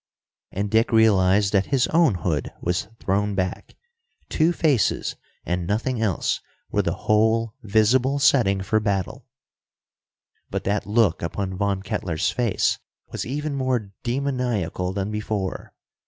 And Dick realized that his own hood was thrown back. Two faces and nothing else, were the whole visible setting for battle. But that look upon Von Kettler's face was even more demoniacal than before.